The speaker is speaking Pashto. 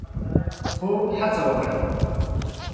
خو هڅه وکړه